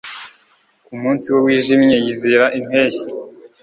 ku munsi we wijimye yizera impeshyi